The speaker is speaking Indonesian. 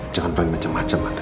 jangan berani macam macam anda